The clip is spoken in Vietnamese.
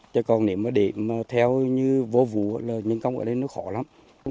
chứ còn nếu mà để mà theo như vô vụ là nhân công ở đây nó khó lắm